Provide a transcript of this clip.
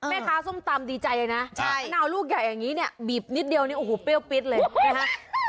ส้มตำดีใจเลยนะมะนาวลูกใหญ่อย่างนี้เนี่ยบีบนิดเดียวนี่โอ้โหเปรี้ยวปิ๊ดเลยนะฮะ